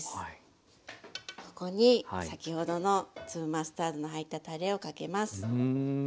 ここに先ほどの粒マスタードの入ったたれをかけます。